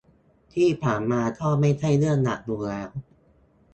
ที่ผ่านมาก็ไม่ใช่เรื่องหลักอยู่แล้ว